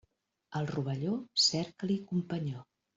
Al rovelló, cerca-li companyó.